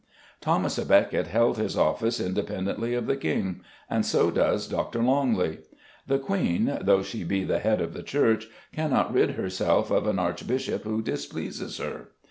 Thomas à Becket held his office independently of the king; and so does Dr. Longley. The Queen, though she be the head of the Church, cannot rid herself of an archbishop who displeases her.